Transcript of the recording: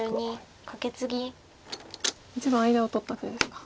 一番間を取った手ですか。